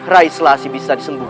rai selassie bisa disembuhkan